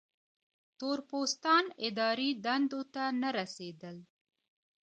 تور پوستان اداري دندو ته نه رسېدل.